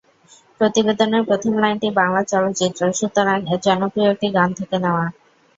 প্রতিবেদনের প্রথম লাইনটি বাংলা চলচ্চিত্র সুতরাং-এর জনপ্রিয় একটি গান থেকে নেওয়া।